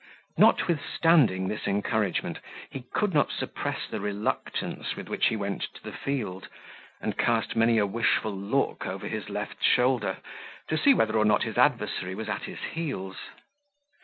Notwithstanding this encouragement, he could not suppress the reluctance with which he went to the field, and cast many a wishful look over his left shoulder, to see whether or not his adversary was at his heels.